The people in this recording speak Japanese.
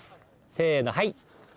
せのはい。